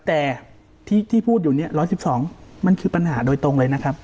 แต่ที่พูดอยู่เนี่ย๑๑๒มันคือปัญหาโดยตรงเลยนะครับ